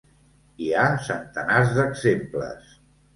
Hi ha centenars d'exemples.